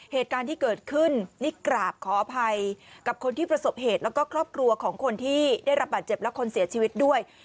เหตุการณ์ที่เกิดขึ้นนี่กราบขออภัยกับคนที่ประสบเหตุแล้วก็ครอบครัวของคนที่ได้รับบาดเจ็บและคนเสียชีวิตด้วย